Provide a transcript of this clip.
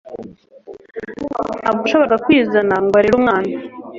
Ntabwo yashoboraga kwizana ngo arere umwana.